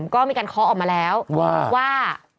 ก็มีการเคาะออกมาแล้วว่า